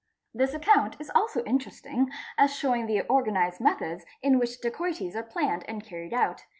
This account is also interesting as showing the organised methods in which dacoities are planned and carried out.